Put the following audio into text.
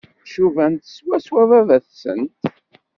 Cubant swaswa baba-tsent.